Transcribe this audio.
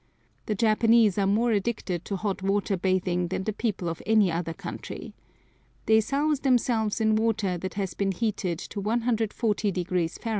The Japanese are more addicted to hot water bathing than the people of any other country. They souse themselves in water that has been heated to 140 deg. Fahr.